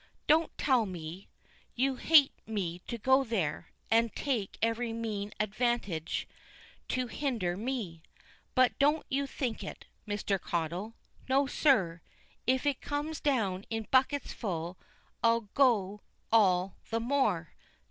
Don't tell me; you hate me to go there, and take every mean advantage to hinder me. But don't you think it, Mr. Caudle. No, sir; if it comes down in buckets full, I'll go all the more.